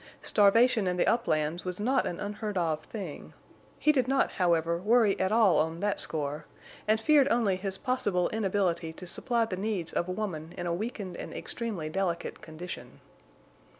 Starvation in the uplands was not an unheard of thing; he did not, however, worry at all on that score, and feared only his possible inability to supply the needs of a woman in a weakened and extremely delicate condition.